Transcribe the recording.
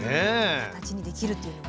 形にできるというのはね。